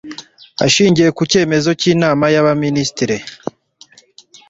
ashingiye ku cyemezo cy inama y abaminisitiri